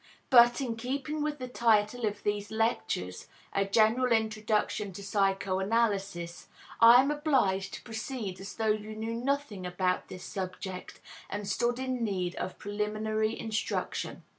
But, in keeping with the title of these lectures A General Introduction to Psychoanalysis I am obliged to proceed as though you knew nothing about this subject, and stood in need of preliminary instruction.